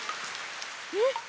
えっ？